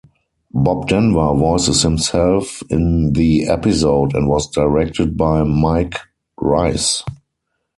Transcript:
Bob Denver voices himself in the episode and was directed by Mike Reiss.